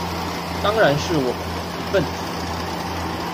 當然是我們的一分子